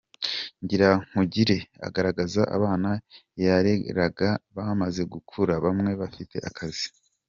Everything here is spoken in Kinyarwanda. Ngirankugire agaragaza abana yareraga bamaze gukura, bamwe bafite akazi.